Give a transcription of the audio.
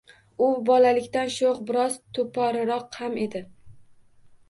U bolalikdan sho`x, biroz to`poriroq ham edi